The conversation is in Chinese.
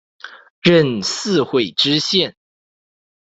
任四会知县。